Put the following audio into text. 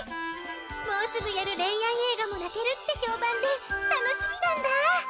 もうすぐやる恋愛映画も泣けるって評判で楽しみなんだ。